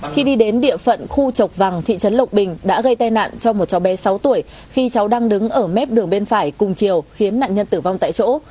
khi đi đến địa phận khu chọc vàng thị trấn lộc bình đã gây tai nạn cho một cháu bé sáu tuổi khi cháu đang đứng ở mép đường bên phải cùng chiều khiến nạn nhân tử vong tại chỗ